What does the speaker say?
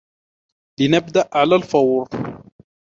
لنبدأ على الفور.